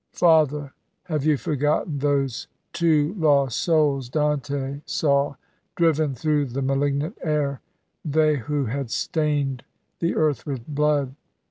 Father, have you forgotten those two lost souls Dante saw, driven through the malignant air; they who had stained the earth with blood?